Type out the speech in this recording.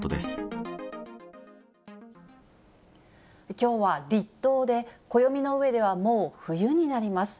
きょうは立冬で、暦の上ではもう冬になります。